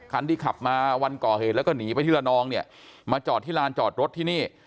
คันที่ขับมาวันก่อเหตุแล้วก็หนีไปที่ละนองเนี่ยมาจอดที่ลานจอดรถที่นี่